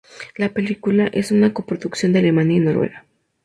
La película es una coproducción de Alemania y Noruega.